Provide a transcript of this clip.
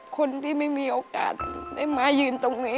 คนที่ไม่มีโอกาสได้มายืนตรงนี้